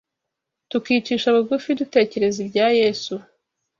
tukicisha bugufi dutekereza ibya Yesu